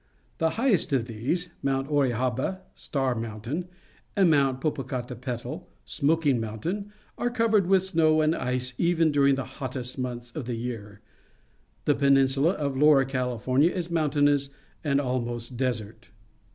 The liighest of these, Mount Orizaba (Star Mountain) and Mount Popocatepetl (Smoking Mountain) are covered with snow and ice even during the hottest months of the year. The peninsula of Lower California is mountainous and almost a desert.